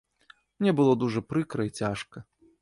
Мне было дужа прыкра і цяжка.